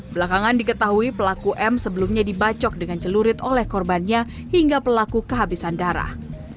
belakangan diketahui pelaku m sebelumnya dibacok dengan celurit oleh korbannya hingga pelaku kehabisan darah